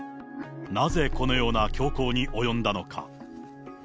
なぜこのような凶行に及んだのか。